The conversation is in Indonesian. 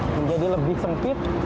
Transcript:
menjadi lebih sempit